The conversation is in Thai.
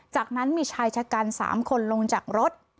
จากนั้นมีชายชะกัน๓คนลงจากรถ